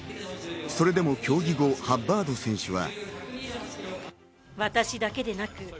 それでも競技後、ハッバード選手は。